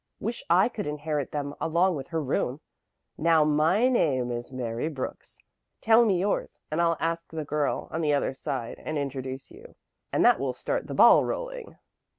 Wish I could inherit them along with her room. Now, my name is Mary Brooks. Tell me yours, and I'll ask the girl on the other side and introduce you; and that will start the ball rolling."